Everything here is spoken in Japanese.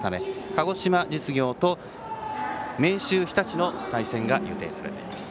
鹿児島実業と明秀日立の対戦が予定されています。